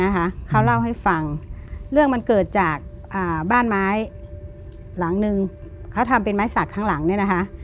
หลังนึงเขาจะทำเป็นไม้สัตว์ข้างหลังเนี่ยนะคะ